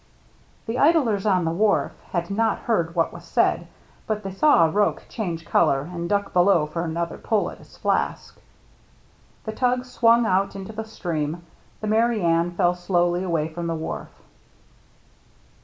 The idlers on the wharf had not heard what was said, but they saw Roche change color and duck below for another pull at his flask. The tug swung out into the stream ; the Merry Anne fell slowly away from the wharf.